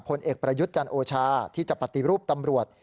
ผลเอกประยุทธ์จันโอชาที่จะปฏิรูปตำรวจ